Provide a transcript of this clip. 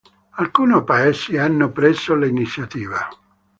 Alcuni paesi hanno preso l'iniziativa.